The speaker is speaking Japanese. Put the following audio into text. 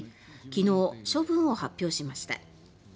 昨日、処分を発表しました。